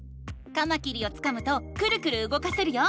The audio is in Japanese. カマキリをつかむとクルクルうごかせるよ。